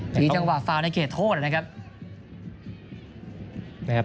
มีจังหวะฟาวในเขตโทษนะครับ